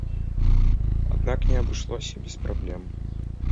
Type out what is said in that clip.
Аднак не абышлося без праблем.